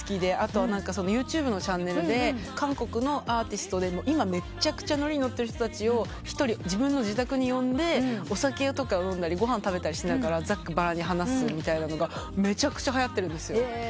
後はＹｏｕＴｕｂｅのチャンネルで韓国のアーティストで今めちゃくちゃノリに乗ってる人たちを一人自分の自宅に呼んでお酒飲んだりご飯食べたりしながらざっくばらんに話すみたいなのがめちゃくちゃはやってるんです。